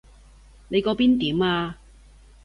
你嗰邊點啊？